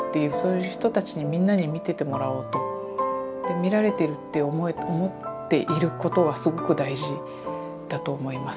見られてるって思っていることがすごく大事だと思います。